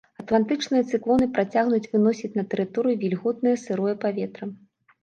Атлантычныя цыклоны працягнуць выносіць на тэрыторыю вільготнае сырое паветра.